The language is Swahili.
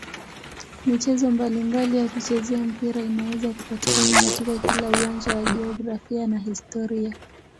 Michezo mbalimbali ya kuchezea mpira inaweza kupatikana katika kila uwanja wa jiografia na historia.